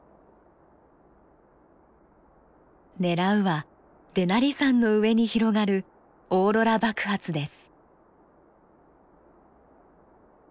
狙うはデナリ山の上に広がるオーロラ爆発です。